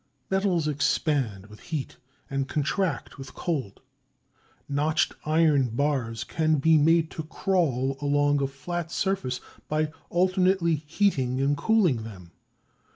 Metals expand with heat and contract with cold. Notched iron bars can be made to "crawl" along a flat surface by alternately heating and cooling them.